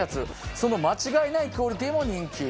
その間違いないクオリティーも人気。